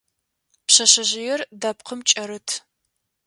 Пшъэшъэжъыер дэпкъым кӀэрыт.